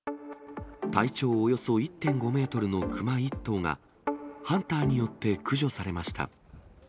体長およそ１．５メートルのクマ１頭が、ハンターによって駆除されました。